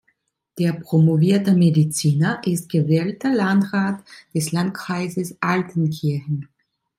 Der promovierte Mediziner ist gewählter Landrat des Landkreises Altenkirchen.